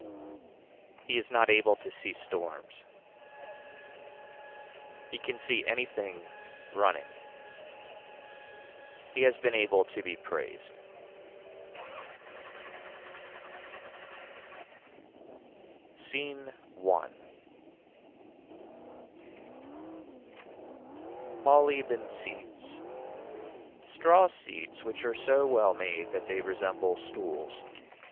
He is not able to see storms. He can see anything running. He has been able to be praised. SCENE I. Polybe and seats. Straw seats which are so well made that they resemble stools.